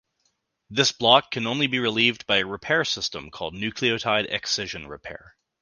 This block can only be relieved by a repair system called nucleotide excision repair.